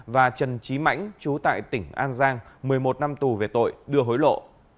và trần trí mãnh chú tại tỉnh an giang một mươi một năm tù về tội đưa hối lộ